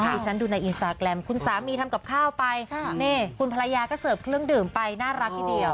ดิฉันดูในอินสตาแกรมคุณสามีทำกับข้าวไปนี่คุณภรรยาก็เสิร์ฟเครื่องดื่มไปน่ารักทีเดียว